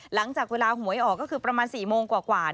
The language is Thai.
หลังจากเวลาหวยออกก็คือประมาณ๔โมงกว่า